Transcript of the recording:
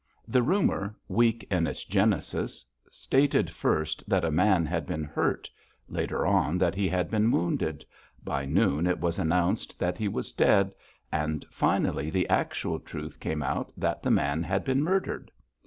The rumour weak in its genesis stated first that a man had been hurt, later on that he had been wounded; by noon it was announced that he was dead, and finally the actual truth came out that the man had been murdered.